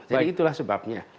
jadi itulah sebabnya